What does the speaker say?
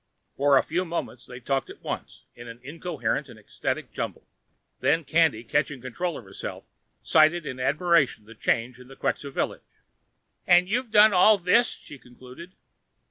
For a few moments they talked at once, in an incoherent and ecstatic jumble. Then Candy, catching control of herself, cited in admiration the change in the Quxa village. "And you've done all this!" she concluded.